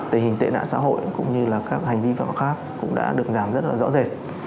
tình hình tệ nạn xã hội cũng như các hành vi phạm pháp khác cũng đã được giảm rất rõ rệt